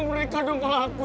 mereka dombal aku